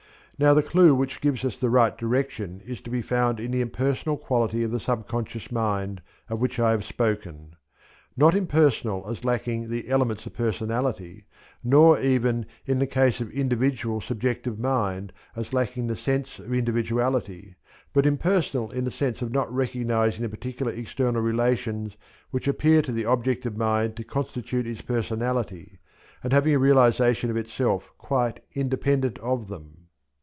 Now the clue which gives us the right direction is to be found in the impersonal quality of sub conscious mind of which I have spoken. Not impersonal as lacking the elements of personality; nor even, in the case of individual subjective mind, as lacking the sense of individuality; but impersonal in the sense of not recognizing the particular external relations which appear to the objective mind to constitute its personality, and having a realization of itself quite independent of them.